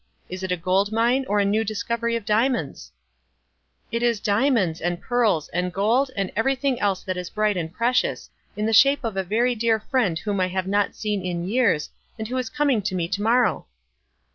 Is it a gold mine, or a new dis covery of diamonds ?" "It is diamonds, and pearls, and gold, and everything else that is bright and precious, in the shape of a very dear friend whom I have not seen in years, and who is coming to me to morrow."